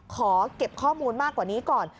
ขอเก็บข้อมูลมากกว่านี้ก่อน